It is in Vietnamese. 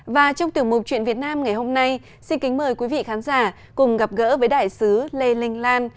và trong tiểu mục chuyện việt nam ngày hôm nay xin kính mời quý vị khán giả cùng gặp gỡ với đại sứ lê linh lan